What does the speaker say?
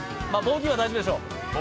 ボギーは大丈夫でしょう。